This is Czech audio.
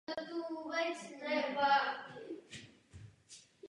V této funkci vystřídal Ariela Šarona.